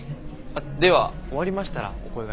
では終わりましたらお声がけ下さい。